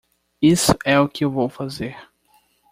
Isso é o que eu vou fazer.